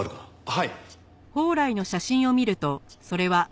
はい。